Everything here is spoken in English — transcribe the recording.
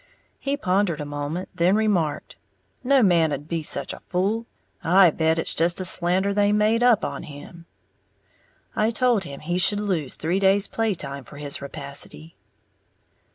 He pondered a moment, then remarked, "No man'd be such a fool, I bet it's just a slander they made up on him!" I told him he should lose three days' playtime for his rapacity.